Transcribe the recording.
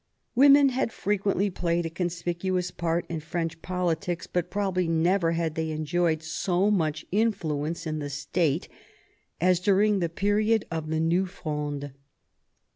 ..." Women had frequently played a conspicuous part in French politics, but probably never had they enjoyed so much influence in the State as during the period of the New Fronde.